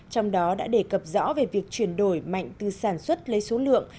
trong đó đã đề cập rõ về việc chuyển đổi mạnh từ sản xuất lấy số lượng